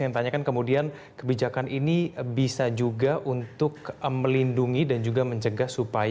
kita akan menunjuk lahirkan strategi